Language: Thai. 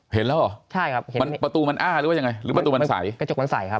เห็นเรหรอประตูมันอ่าหรือเป็นไงหรือประตูมันใสประตูมันใสครับ